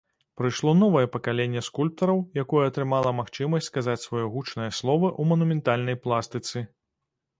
Прыйшло новае пакаленне скульптараў, якое атрымала магчымасць сказаць сваё гучнае слова ў манументальнай пластыцы.